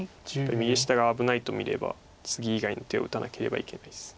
右下が危ないと見ればツギ以外の手を打たなければいけないです。